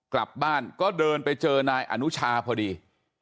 กลับบ้านก็เดินไปเจอนายอนุชาพอดี